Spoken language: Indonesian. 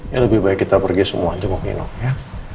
ya lebih baik kita pergi semua jenguk nino ya